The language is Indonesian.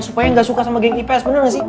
supaya gak suka sama geng ips bener gak sih